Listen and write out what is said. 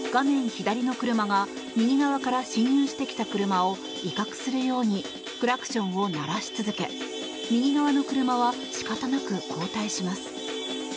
左の車が右側から進入してきた車を威嚇するようにクラクションを鳴らし続け右側の車は仕方なく後退します。